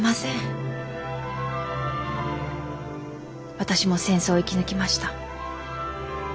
私も戦争を生き抜きました。